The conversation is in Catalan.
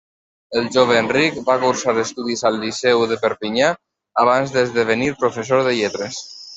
El jove Enric va cursar estudis al liceu de Perpinyà abans d’esdevenir professor de lletres.